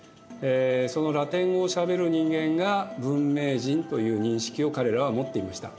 そのラテン語をしゃべる人間が文明人という認識を彼らは持っていました。